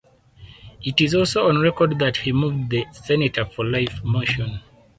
It is also on record that he moved the "Senator for life" motion.